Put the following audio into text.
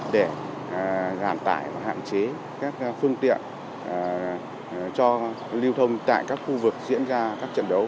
để hạn chế các phương tiện cho lưu thông tại các khu vực diễn ra các trận đấu